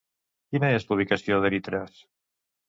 Quina és la ubicació d'Eritras?